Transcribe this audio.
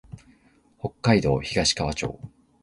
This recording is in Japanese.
北海道東川町